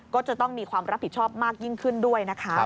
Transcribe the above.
ก็จะต้องมีความรับผิดชอบมากยิ่งขึ้นด้วยนะคะ